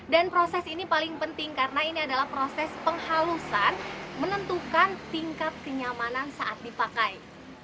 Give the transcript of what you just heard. dan proses ini paling penting karena ini adalah proses penghalusan menentukan tingkat kenyamanan saat dipakai